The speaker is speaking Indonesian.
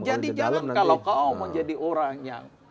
jadi jangan kalau kau mau jadi orang yang